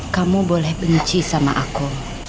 kamu boleh benci sama aku